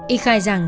y khai rằng